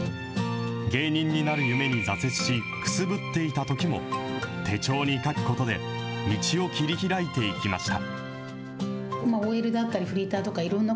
芸人になる夢に挫折し、くすぶっていたときも、手帳に書くことで、道を切り開いていきました。